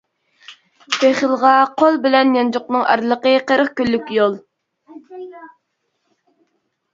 بېخىلغا قول بىلەن يانچۇقنىڭ ئارىلىقى قىرىق كۈنلۈك يول.